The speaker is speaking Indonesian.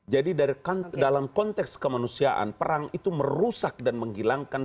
jadi dalam konteks kemanusiaan perang itu merusak dan menghilangkan